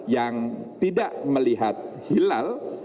yang tidak melihat hilal